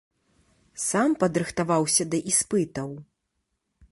Сам падрыхтаваўся да іспытаў.